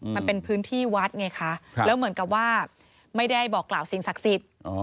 มันเป็นพื้นที่วัดไงคะแล้วเหมือนกับว่าไม่ได้บอกกล่าวสิ่งศักดิ์สิทธิ์